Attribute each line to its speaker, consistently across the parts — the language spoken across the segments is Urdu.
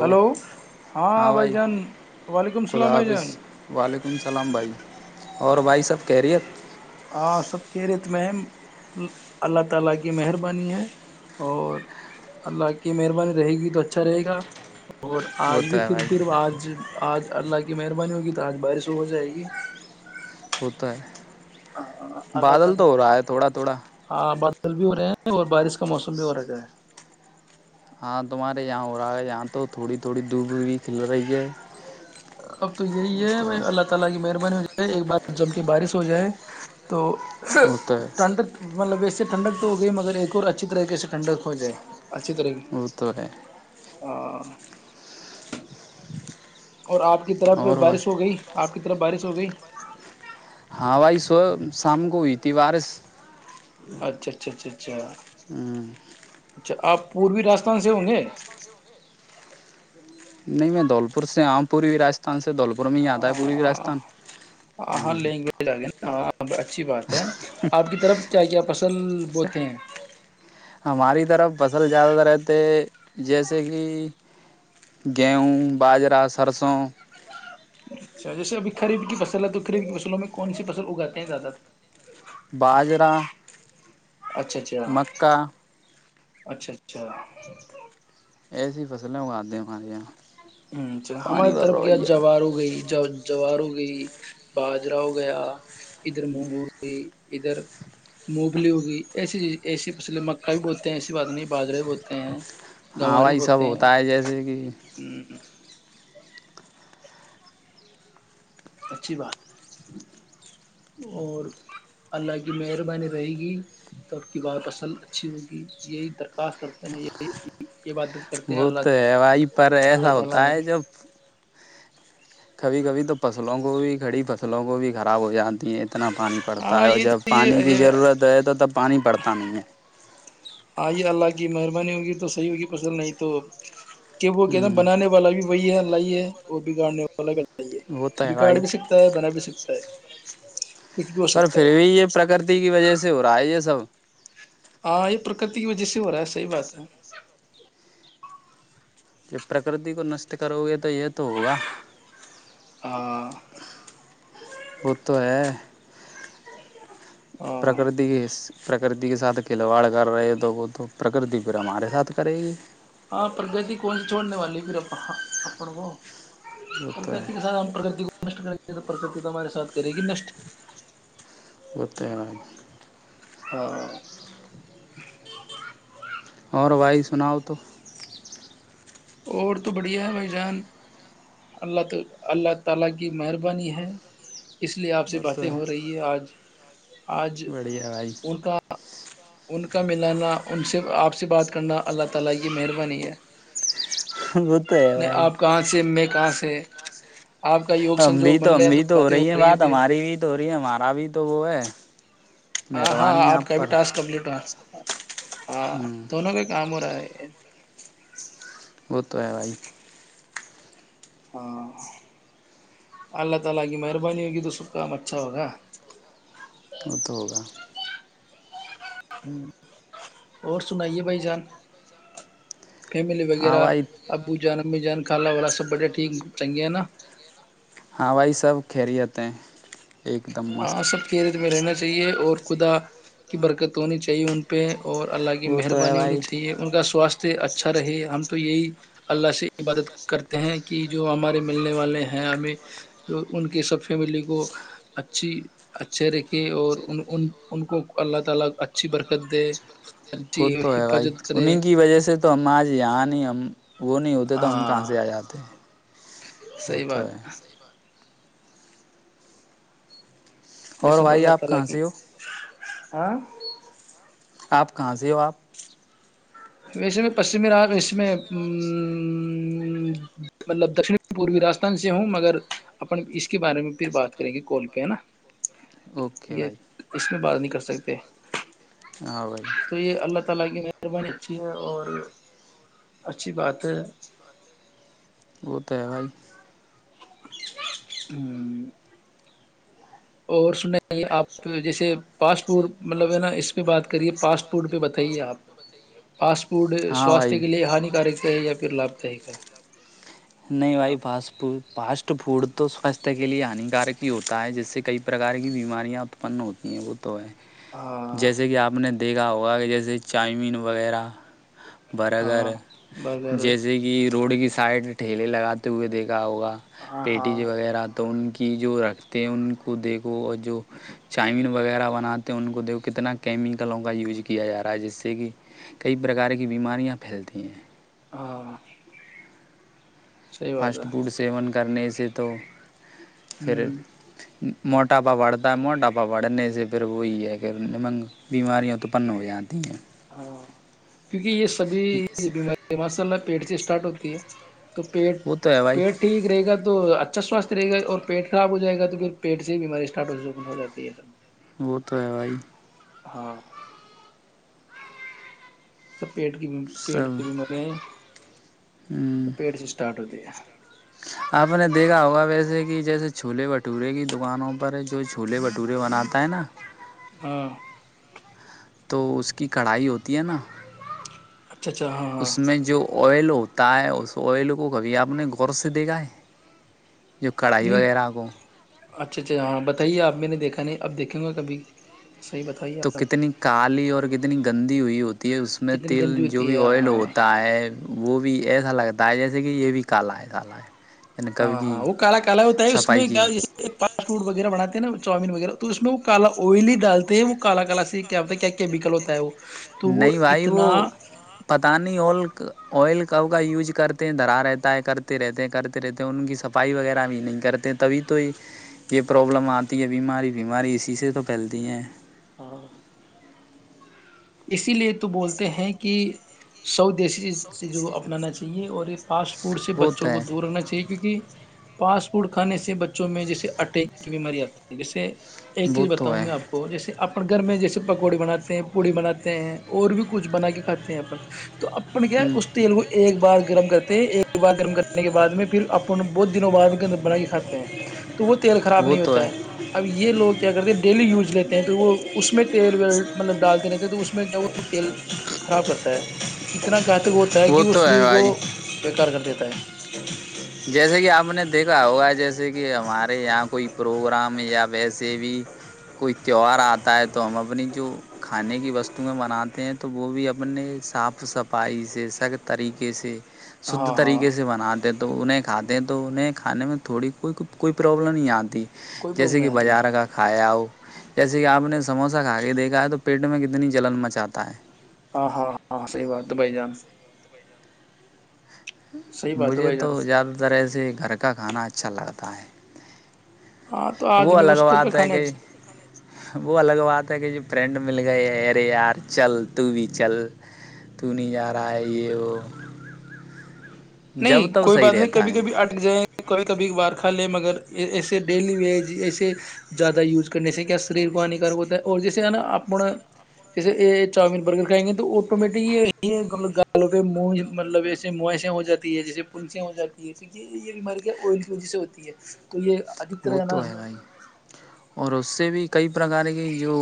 Speaker 1: ہلو ہاں بھائی جان وعلیکم السلام
Speaker 2: خدا
Speaker 1: بھائی
Speaker 2: حافظ
Speaker 1: جان
Speaker 2: وعلیکم السلام بھائی اور بھائی سب کہہ رہی ہے
Speaker 1: ا سب خیریت میں اللہ تعالی کی مہربانی ہے اور اللہ کی مہربانی رہے گی تو اچھا رہے گا اور
Speaker 2: وہ
Speaker 1: آج
Speaker 2: تو
Speaker 1: بھی
Speaker 2: ہے
Speaker 1: پھر
Speaker 2: بھائی
Speaker 1: پھر آج آج اللہ کی مہربانی ہوگی تو آج بارش ہو جائے گی
Speaker 2: ہوتا ہے [unintelligible]
Speaker 1: ہاں اللہ تع
Speaker 2: بادل تو ہو رہا ہے تھوڑا تھوڑا
Speaker 1: ہاں ب پل بھی ہو رہے ہیں اور بارش کا موسم بھی ہو رہ گا ہے
Speaker 2: ہاں تمہارے یہاں ہو رہا ہے یہاں تو تھوڑی تھوڑی دوب بھی کھل رہی ہے
Speaker 1: ہم تو یہی
Speaker 2: وہ
Speaker 1: ہے
Speaker 2: تو
Speaker 1: میں اللہ تعالی کی مہربانی [unintelligible] ایک بار جم کی بارش ہو جائے تو
Speaker 2: وہ تو ہے
Speaker 1: ٹنڈ مطلب بی ٹھڈک تو ہو گئی مگر ایک اور اچھی طریقے سے ٹھڈک ہو جائے
Speaker 2: ا تو ہے
Speaker 1: آ [unintelligible] اور آپ کی طرف
Speaker 2: اور وہ
Speaker 1: بارش ہو گئی آپ ک طرح بارش ہو گئی
Speaker 2: ہاں وائی سو سام کو ہوئی تھی وارس
Speaker 1: اچھا اچھا اچھا اچھا
Speaker 2: ہوں،
Speaker 1: اچھا آپ پوروی راجستھان سے ہوں گے
Speaker 2: نہیں میں دھولپور سے آام پور بھی راستھان سے دولپور میں ہی آتا ہے پوری راستان
Speaker 1: لینگویج آ گیا ہاں اچھی بات ہے آپ کی طرف کیا کیا فصل بوتے ہیں
Speaker 2: ہماری طرف فصل زیادہ تر رہتے جیسے کہ گیہوں باجرہ سرسوں
Speaker 1: اچھا جیسے ابھی خریب کی فصل ہے تو قریب کی فصلوں میں کون سی فصل اگاتے ہیں زیادہ تر
Speaker 2: باجرا
Speaker 1: اچھا اچھا اچھا اچھا
Speaker 2: ایسی فصلیں اگاتے ہیں ہمارے یہاں
Speaker 1: اچھا
Speaker 2: پانی
Speaker 1: ہماری
Speaker 2: بھر
Speaker 1: طرف کیا
Speaker 2: رویہ
Speaker 1: جوار ہو گئی جوار ہو گئی باجرا ہو گیا ادھر مونگ ہو گئی ادھر مونگلی ہو گئی ایسی چیز ایسی پصل مکا بھی بولتے ہیں ایسی بات نہیں باجرے بھی بولتے ہیں
Speaker 2: ہاں
Speaker 1: گوار
Speaker 2: وہی سب ہوتا ہے جیسے کہ
Speaker 1: ا اچھی بات ہے اور اللہ کی مہربانی رہے گی تو آپ کی بات اصل اچھی ہوگی یہی درخواست کرتے ہیں یہی عبادت کرتے ہیں
Speaker 2: وہ
Speaker 1: اللہ
Speaker 2: تو
Speaker 1: سے،
Speaker 2: ہے وہیں پر
Speaker 1: اللہ
Speaker 2: ایسا ہوتا
Speaker 1: تعالی
Speaker 2: ہے جب کبھی کبھی تو فصلوں کو بھی کھڑی فصلوں کو بھی خراب ہو جاتا اتنا پانی پڑتا
Speaker 1: ہاں
Speaker 2: ہے اور
Speaker 1: یہ
Speaker 2: جب
Speaker 1: تو
Speaker 2: پانی کی
Speaker 1: یہ
Speaker 2: ضرورت ہے تو تب پانی پڑتا نہیں ہے
Speaker 1: آئیے اللہ کی مہربانی ہوگی تو صحیح ہوگی پسل نہیں تو کہ وہ کہ ن بنانے والا بھی وہی ہے لائی ہے اور ب گاڑنے
Speaker 2: وہ تو ہے
Speaker 1: بگاڑ
Speaker 2: بھائی
Speaker 1: بھی سکتا ہے بنا بھی سکتا ہے کچھ بھی ہو
Speaker 2: پر
Speaker 1: سکتا ہے
Speaker 2: پھر بھی یہ پرکرتی کی وجہ سے ہو رہا ہے یہ سب
Speaker 1: ہاں یہ پرکرتی کی وجہ سے ہو رہا ہے صحیح بات ہے
Speaker 2: ج پرکرتی کو نشٹ کرو گے تو یہ تو ہوگا
Speaker 1: آ
Speaker 2: بت ہے
Speaker 1: ہاں
Speaker 2: پرکرتی کے پرکرتی کے ساتھ کھلواڑ کر رہے تو وہ تو پرکرتی پھر ہمارے ساتھ کرے گی
Speaker 1: ہاں پرگتی کون سی چھوڑنے والی پھر اپن کو
Speaker 2: وہ
Speaker 1: [inaudible]
Speaker 2: تو
Speaker 1: پرکت
Speaker 2: ہے
Speaker 1: کے س پرکت [inaudible] نشٹ کریں گی تو پرکتی ت ہمہارےاتھ کرے گی نشٹ [inaudible]
Speaker 2: ہوتے ہیں
Speaker 1: ہ [inaudible]
Speaker 2: اور بھائی سناؤ تو
Speaker 1: اور تو بڑھیا ہے بھائی جان اللہ اللہ تعالی کی مہربانی ہے [inaudible] اس لیے آپ سے
Speaker 2: وہ تو
Speaker 1: باتیں ہو رہی ہے آج آج
Speaker 2: بڑھیا بھائی
Speaker 1: ان کا ان [inaudible] کا ملانا ان سے آپ سے [inaudible] بات کرنا اللہ تعالی یہ مہربانی ہے [unintelligible]
Speaker 2: ہاں [inaudible] وہ تو ہے
Speaker 1: نہیں
Speaker 2: بھائی
Speaker 1: آپ کہاں سے میں کہاں سے آپ کا یوگ
Speaker 2: ہم
Speaker 1: سنجوگ
Speaker 2: بھی تو
Speaker 1: بن
Speaker 2: ہم
Speaker 1: گیا
Speaker 2: بھی تو ہو
Speaker 1: باتیں
Speaker 2: رہی ہے بات ہماری بھی تو ہو رہی ہے ہمارا بھی تو وہ ہے [inaudible]
Speaker 1: ہاں ہاں
Speaker 2: مہربانی
Speaker 1: آپ کا بھی
Speaker 2: پر
Speaker 1: ٹاسک کمپٹ ہوا ہاں
Speaker 2: ہوں
Speaker 1: دونوں کا کام ہو رہا ہے [inaudible] پ [unintelligible]
Speaker 2: وہ تو ہے بھائی [unintelligible]
Speaker 1: اللہ تعالی کی مہربانی ہوگی تو سب کا ہم اچھا ہو رہا ہے [unintelligible]
Speaker 2: وہ تو ہوگا [inaudible]
Speaker 1: ہ اور سنائیے بھائی جان [unintelligible] فیملی
Speaker 2: ہاں
Speaker 1: وغیرہ
Speaker 2: بھائی
Speaker 1: ابو جان امی جان کالا والا سب بڑیا ٹھیک چنگے نا [inaudible]
Speaker 2: ہائی سب خیریت ہیں [unintelligible]
Speaker 1: آ
Speaker 2: مست
Speaker 1: سب کیرت میں رہنا [inaudible] چاہیے اور خدا کی برکت ہونی چاہیے ان پہ [inaudible] اور اللہ کی
Speaker 2: وہ تو ہے
Speaker 1: مہربانی ہونی
Speaker 2: بھائی
Speaker 1: چاہیے ان کا سواستھ اچھا رہے ہم تو یہی اللہ سے عبادت کرتے ہیں کہ جو ہمارے ملنے والے ہیں ہمیں جو ان کی سب فیملی کو اچھی اچھے رقی اور ان ان کو اللہ تعالی اچھی برکت دے [unintelligible] [unintelligible]
Speaker 2: وہ
Speaker 1: اچھی
Speaker 2: تو ہے بھائی
Speaker 1: حفاظت کرے
Speaker 2: انہیں کی وجہ سے تو ہم آج یہاں نہیں ہم وہ نہیں ہوتے تو ہم کہاں
Speaker 1: ہاں
Speaker 2: سے آ جاتے وہ
Speaker 1: صحیح
Speaker 2: تو
Speaker 1: بات
Speaker 2: ہے
Speaker 1: یہی
Speaker 2: اور
Speaker 1: سب
Speaker 2: بھائی
Speaker 1: اللہ ت
Speaker 2: آپ کہاں
Speaker 1: لگی
Speaker 2: سے ہو
Speaker 1: [unintelligible] ہں [unintelligible]
Speaker 2: آپ کہاں سے ہو آپ
Speaker 1: ویسے میں پشچمی ر اس میں مطلب دکن پوروی راجستھان سے ہوں مگر اپ اس کے بارے میں پھر بات کریں گے کوال پہ ہے نا [unintelligible]
Speaker 2: اوکے
Speaker 1: یہ
Speaker 2: بھائی
Speaker 1: اس میں بات نہیں کر سک [inaudible] سکتے
Speaker 2: ہ بائی [inaudible]
Speaker 1: لگے مہربانی [unintelligible] اچھھی ہے اور اچھی بات ہے [unintelligible]
Speaker 2: وہ تو ہے بھائی [unintelligible]
Speaker 1: ہ اور سن آپ [unintelligible] جیسے پاسپورٹ مطلب ہے نا اس پہ بات کریے پاسپورٹ پہ بتائیے آپ پاسپورٹ
Speaker 2: ہاں
Speaker 1: سواستھ
Speaker 2: بھائی
Speaker 1: کے لیے ہانیکارک ہے یا پھر لابھدائک ہے
Speaker 2: نہیں بھائی فس ف [unintelligible] فوڈ تو سواستھ کے لیے ہانیکارک ہی ہوتا ہے جس سے کئی پرکار کی بیماریاں اتپن ہوتی ہیں [unintelligible] یہیا بت [inaudible] تو ہے
Speaker 1: ہاں
Speaker 2: جیسے کہ آپ نے د [unintelligible] دیکھا ہوگا ک [unintelligible] ہ جیسے چامین وغیرہ بر اگر
Speaker 1: ہاں برگر
Speaker 2: جیسے کہ روڈ کی سائڈ ٹھیلے لگاتے ہوئے دیکھ [unintelligible] ہوگا
Speaker 1: ہاں
Speaker 2: پیٹی
Speaker 1: ہاں
Speaker 2: جی وغیرہ تو ان کی [unintelligible] کہ جو رکھتے ہیں ان کو دیکھو اور جو چائمین وغیرہ بناتے ہیں ان کو د کتنا کیمیکلوں کا یوز کیا جا رہا ہے جس سے کہ کئی پرار کی بیماریاں پھیلتی ہیں
Speaker 1: ہ
Speaker 2: فاسٹ فوڈ سیون کرنے سے تو پھر
Speaker 1: ہوں
Speaker 2: موٹ ڈاپا بڑھتا ہے موٹاپا بڑھنے سے پھر وہی ہے پھر نمنگ بیماریاں توپن ہو جاتی ہیں
Speaker 1: ہاں کیونکہ یہ سبھی بیماری ماشاء اللہ پیٹ سے اسٹارٹ ہوتی ہے تو پیٹ
Speaker 2: وہ تو ہے بھائی
Speaker 1: پیٹ ٹھیک رہے گا تو اچھا سواستھ رہے گا اور پیٹ خراب ہو جائے گا تو پھر پیٹ سے بھی بیماری اسٹار ہو ہو جاتی ہے یہ سب
Speaker 2: وہ تو ہے بھائی
Speaker 1: ہاں سب پیٹ کی پیٹ کی بیمارے ہیں
Speaker 2: سب
Speaker 1: س پیڑ سے اسٹارٹ ہوتے ج [inaudible]
Speaker 2: آپ نے دیکھا ہوگا ویسے کہ جیسے چھولے بھٹورے کی دکانوں پر ہے جو چھولے بھٹورے بناتا ہے نا
Speaker 1: ہاں
Speaker 2: تو اس کی کڑھائی ہوتی ہے نا
Speaker 1: اچھا اچھا ہاں ہاں
Speaker 2: اس میں جو آئل ہوتا ہے اس آئل کو کبھی آپ نے غور سے دےھا ہے جو کڑھائی
Speaker 1: نہیں
Speaker 2: وغیرہ کو
Speaker 1: اچھا اچھا ہاں بتائیے آپ میں نے دیکھا نہیں اب دیکھیں گا کبھی صحیح بتائیے
Speaker 2: تو
Speaker 1: آپ
Speaker 2: کتنی کالی اور کتنی گندی ہوئی ہوتی ہے اس میں
Speaker 1: کتنی
Speaker 2: تیل
Speaker 1: گندی
Speaker 2: جو
Speaker 1: ہوتی
Speaker 2: بھی
Speaker 1: ہے
Speaker 2: آئل
Speaker 1: ہاں
Speaker 2: ہوتا ہے وہ بھی ایسا لگتا ہے جیسے کہ یہ بھی کالا ہے کالا ہے یعنی کبھی
Speaker 1: ہاں ہاں
Speaker 2: کی
Speaker 1: وہ کالا کالا ہوتا ہے اس
Speaker 2: صفائی کی
Speaker 1: میںاسٹ فڈ وغیرہ بنات ہیں نا چاؤمین وغیرہ تو اس میں وہ کالا آئلی ہی ڈالتے ہیں وہ کال کالا سے کیا ہوتا ہے کیا کیمیکل ہوتا ہے وہ تو وہ
Speaker 2: نہیں بھائی وہ
Speaker 1: اتنا
Speaker 2: پت نہیں اور آئل ک کا یوز کرتے ہیں دھرا رہتا ہے کرتے رہتے ہیں کرتے رہتے ہیں ان کی صفائی وغیرہ بھی نہیں کرتے تبھی تو یہ پرابلم آتی ہے بیماری بیماری اسی سے تو پھیلتی ہیں
Speaker 1: ہاں اسی لیے تو بولتے ہیں کہ سعودی دیشی سے جو اپنانا چاہے سے اور ایک فاسٹ فوڈ سے
Speaker 2: وہ
Speaker 1: بچوں
Speaker 2: تو
Speaker 1: کو
Speaker 2: ہے
Speaker 1: دور رہنا چاہیے کیونک فاسٹ فوڈ کھانے سے بچوں میں جیسے اٹیک کی بیماری آتی ہے جیسے ایک چیز
Speaker 2: وہ تو
Speaker 1: بتاؤ
Speaker 2: ہے
Speaker 1: میں آپ کو جیسے اپنے گھر میں جیس پکوڑے بناتے ہیں پوڑی بناتے ہیں اور بھی کچھ بنا کے کھاتے ہیں اپن تو اپن کیا اس تیل کو ایک بار گرم کرتے تھ ایک بار گرم کر کے بعد میں پھر اپ بہت دنوں بعد کے اندر بنا کے کھاتے ہیں تو وہ تیل خراب
Speaker 2: وہ
Speaker 1: نہیں
Speaker 2: تو
Speaker 1: ہوتا ہے اب یہ لوگ کرتے ڈیلی یوز لیتے ہیں تو وہ اس میں تیل ویل مطلب ڈالتے رہتے تو اس میں کیا تیل خراب کرتا ہے اتنا گھط ہوتا ہے کہ وہ شریر کو بیکار کر دیتا ہے
Speaker 2: جیسے کہ آپ نے دیکھا ہوگا جیسے کہ ہمارے یہاں کوئی پروگرام یا ویسے بھی کوئی تہوہار آتا ہے تو ہم اپنی جو کھانے کی وستویں بناتے ہیں تو وہ بھی اپنے صاف صفائی سے سخت طریقے سے شھ
Speaker 1: ہاں ہاں
Speaker 2: طریقے سے بناتے تو تو انہیں کھاتے ہیں تو انہیں کھانے میں تھوڑی کوئی کوئی پرابلم نہیں آتی
Speaker 1: کوئی
Speaker 2: جیسے
Speaker 1: پرابلم
Speaker 2: کہ
Speaker 1: نہیں آتی
Speaker 2: بازار کا کھایا ہو جیسے کہ آپ نے سموسا کھا کے دیکھا ہے تو پیٹ میں کتنی جلن مچاتا ہے
Speaker 1: ہاں ہاں ہاں ہ صحی بات تو بھائی جان صحیح بات ہے
Speaker 2: مجھے
Speaker 1: بھائی
Speaker 2: تو
Speaker 1: جان
Speaker 2: زیادہ تر ای سے گھر کا کھانا اچھا لگتا ہے
Speaker 1: ہاں تو
Speaker 2: وہ
Speaker 1: آدمی
Speaker 2: الگ
Speaker 1: اس کر کے
Speaker 2: بات ہے
Speaker 1: کھانے
Speaker 2: کہ
Speaker 1: اچھے
Speaker 2: وہ الگ بات ہے کہ جو فرینڈ مل گئے ارے یار چل تو بھی چل تو نہیں جا رہا ہے یہ وہ جب
Speaker 1: نہیں
Speaker 2: تب
Speaker 1: کوئی
Speaker 2: صحیح
Speaker 1: بات نہیں
Speaker 2: رہتا
Speaker 1: کبھی
Speaker 2: ہے
Speaker 1: کبھی اٹک جائےیں کبھی
Speaker 2: اٹ
Speaker 1: کبھی
Speaker 2: جائیں
Speaker 1: بات کھا لے
Speaker 2: کبھی
Speaker 1: مگر
Speaker 2: بات کر لیں
Speaker 1: ایے
Speaker 2: مگر
Speaker 1: ڈیلی
Speaker 2: ایسے
Speaker 1: وے
Speaker 2: ڈیلی میں ایسے
Speaker 1: زیادہ یوز کرنے سے
Speaker 2: زیادہ
Speaker 1: کیا
Speaker 2: یوز کر
Speaker 1: شریر کو
Speaker 2: جیسے کیا
Speaker 1: ہانیکار ہوتا ہے
Speaker 2: سلیپ
Speaker 1: اور
Speaker 2: پانی کر
Speaker 1: جیسےا
Speaker 2: ہوتے ہیں تو
Speaker 1: اپ
Speaker 2: جیسے ہے نا آپ کو
Speaker 1: جیسے چاؤمین برگر کھائیں گے تو آٹومیٹک گالوں پہ منہ مطلب ایے موس ہو جات ہے جیسے پنس ہو جاتی ہے تو یہ یہ بیماری کیا آئل کی وجہ سے ہوتی ہے تو یہ ادھکتر
Speaker 2: وہ
Speaker 1: نا
Speaker 2: تو ہے بھائی اور اس سے بھی کئی پرک کی جو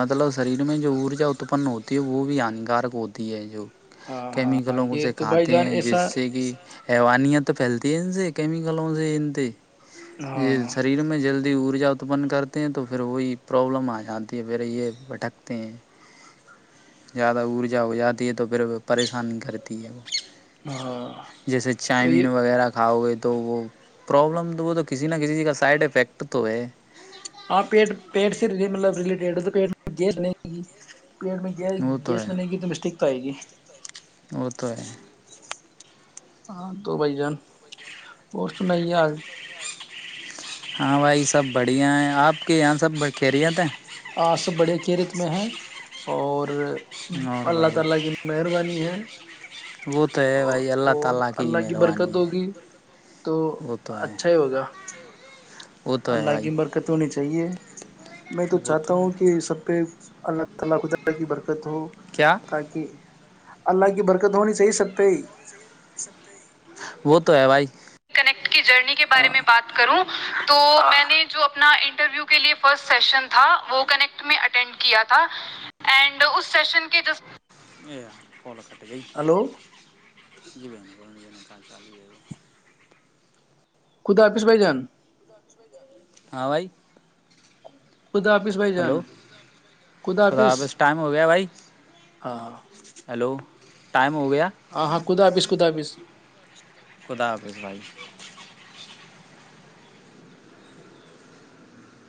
Speaker 2: مطلب شریر میں جو ارجا اتپن ہوتی ہے وہ بھی ہانیکارک ہوتی ہے جو
Speaker 1: ہاں ہاں
Speaker 2: کیمیکلوں
Speaker 1: یہ
Speaker 2: سے
Speaker 1: تو بھائی
Speaker 2: کھاتے
Speaker 1: جان
Speaker 2: ہیں جس
Speaker 1: ایسا
Speaker 2: سے کہ حوانت تو پھیلتی ہے ان سے کیمیکل مےتے یہ
Speaker 1: ہاں
Speaker 2: شریر میں جلد ارجا اتپن کرتے ہیں تو پھر وہی پرابلم آ جاتی ہے پھر یہ بھٹکتے ہیں زیادہ ارجا ہو جاتی ہے تو پھر پریشانی کرتی ہے وہ
Speaker 1: ہاں
Speaker 2: جیسے
Speaker 1: تو
Speaker 2: چائمین
Speaker 1: یہ
Speaker 2: وغیرہ کھاؤ گے تو [unintelligible] کسی نہ کسی کا سائڈ افیکٹ تو ہے
Speaker 1: آپ پیٹ پیٹ سے مطلب ریلیٹیڈ تو پ گےتنے پیڑ میں گ
Speaker 2: وہ
Speaker 1: گیس میں نہیںن گی تو مسٹیک نتائے گے
Speaker 2: ات [unintelligible]
Speaker 1: ہاں تو بھائی جان اور سناائیے آج
Speaker 2: ہاں بھائی سب بڑھیا ہے آپ کے یہاں سب خیریت ہیں
Speaker 1: ہاں سب بڑھیا کیرت میں ہے اور ہے
Speaker 2: اور بھائی وہ تو ہے بھائی اللہ
Speaker 1: اور
Speaker 2: تعالیٰ
Speaker 1: اور کی
Speaker 2: مہربانی ہے
Speaker 1: ہوگی تو
Speaker 2: وہ تو ہے
Speaker 1: ہی ہوگا
Speaker 2: وہ تو ہے
Speaker 1: اللہ
Speaker 2: بھائی
Speaker 1: کی برکت ہونی چاہیے میں تو
Speaker 2: وہ
Speaker 1: چاہتا
Speaker 2: ہے
Speaker 1: ہوں کہ سب پہ اللہ تلہ خ کی بر قت ہو
Speaker 2: کیا
Speaker 1: تاکہ [unintelligible] اللہ کی برکت ہونی چاہیے سکتے
Speaker 2: وہ تو ہے بھائی ک [unintelligible] کی جرنی کے بارے
Speaker 1: ہاں
Speaker 2: میں بات کروں تو میں نے جو اپنا انٹرویو کے لیے فسٹ سیشن تھا وہ کنیکٹ میں اٹینڈ کیا تھا اینڈ اس سیشن کے جس فال کٹ گئی
Speaker 1: ہلو
Speaker 2: [unintelligible] جیبین گ ج [unintelligible] ا شان چالی ہے
Speaker 1: کھے آپش بھائی جان [unintelligible]
Speaker 2: ہاں بھائی
Speaker 1: خدا حافظ بھائی
Speaker 2: ہلو
Speaker 1: جان خدا حافظ
Speaker 2: خداپس ٹائم ہو گیا بھائی
Speaker 1: ہاں ہاں
Speaker 2: ہیلو ٹائم ہو گیا
Speaker 1: ہ ہاں خد آپ اس [unintelligible] خدابس [unintelligible]
Speaker 2: خدا حفظ بھائی